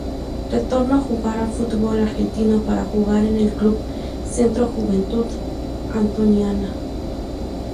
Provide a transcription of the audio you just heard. Retornó a jugar al fútbol Argentino, para jugar en el club Centro Juventud Antoniana.